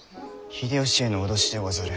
秀吉への脅しでござる。